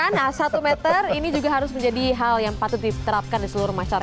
nah satu meter ini juga harus menjadi hal yang patut diterapkan di seluruh masyarakat